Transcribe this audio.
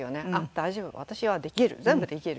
「大丈夫私はできる全部できる」。